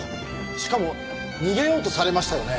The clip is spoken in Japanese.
しかも逃げようとされましたよね？